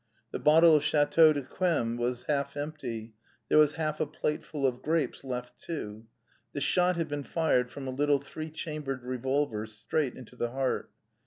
The bottle of Chateau d'Yquem was half empty, there was half a plateful of grapes left too. The shot had been fired from a little three chambered revolver, straight into the heart.